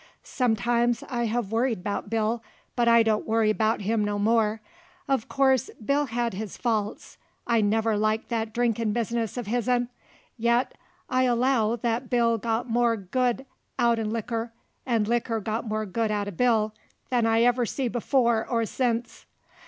Sometimes I hev worried 'bout Bill, but I don't worry 'bout him no more. Uv course Bill had his faults, I never liked that drinkin' business uv his'n, yet I allow that Bill got more good out'n likker, and likker got more good out'n Bill, than I ever see before or sence.